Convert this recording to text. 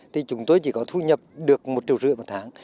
thì chúng tôi chỉ có thu nhập được một triệu rưỡi một tháng